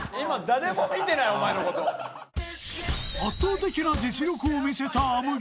［圧倒的な実力を見せたあむぎり］